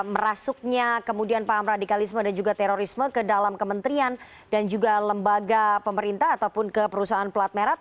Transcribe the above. merasuknya kemudian paham radikalisme dan juga terorisme ke dalam kementerian dan juga lembaga pemerintah ataupun ke perusahaan pelat merah